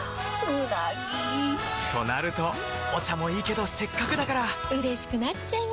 うなぎ！となるとお茶もいいけどせっかくだからうれしくなっちゃいますか！